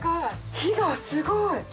火がすごい。